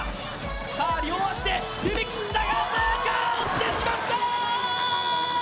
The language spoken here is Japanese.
さあ両足で踏み切ったが落ちてしまったー！